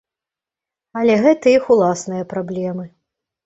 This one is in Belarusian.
Але гэта іх уласныя праблемы.